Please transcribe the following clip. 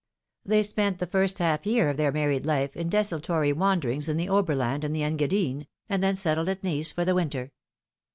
They spent the first half year of their married life in desultory wanderings in the Oberland and the Engadine, and then settled at Nice for the winter.